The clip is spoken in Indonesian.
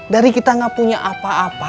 dari kita gak punya apa apa